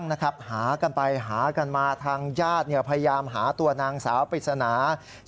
หากันไปหากันมาทางญาติพยายามหาตัวนางสาวปริศนา